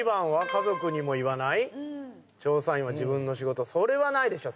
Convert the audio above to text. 家族にも言わない調査員は自分の仕事それはないでしょ